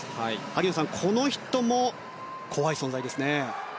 萩野さん、この人も怖い存在ですね。